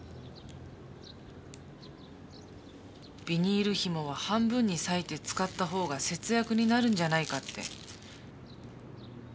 ビニールひもは半分に裂いて使った方が節約になるんじゃないかって。